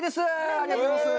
ありがとうございます！